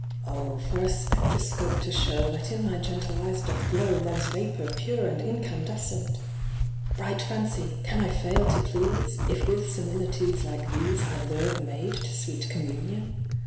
Oh for a spectroscope to show That in thy gentle eyes doth glow Love's vapour, pure and incandescent ! Bright fancy ! can I fail to please If with similitudes like these I lure the maid to sweet communion